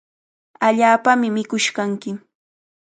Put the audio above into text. Allaapami mikush kanki.